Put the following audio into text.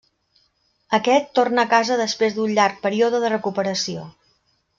Aquest torna a casa després d'un llarg període de recuperació.